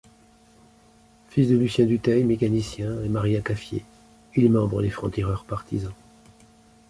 Fils de Lucien Duteil, mécanicien, et Maria Caffier, il est membre des Francs-Tireurs Partisans.